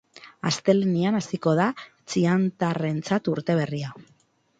Astelehenean hasiko da txiantarrentzat urte berria.